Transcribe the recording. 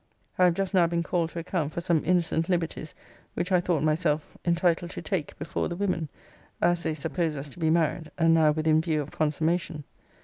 I have just now been called to account for some innocent liberties which I thought myself entitled to take before the women; as they suppose us to be married, and now within view of consummation.